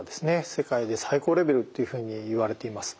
世界で最高レベルっていうふうにいわれています。